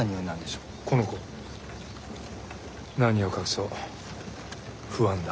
この子何を隠そう「不安」だ。